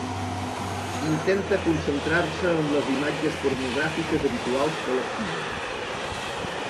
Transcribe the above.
Intenta concentrar-se en les imatges pornogràfiques habituals que l'activen.